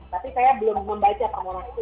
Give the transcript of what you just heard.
tapi saya belum membaca permohonan itu